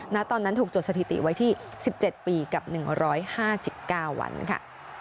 ณตอนนั้นถูกจดสถิติไว้ที่๑๗ปีกับ๑๕๙วันค่ะ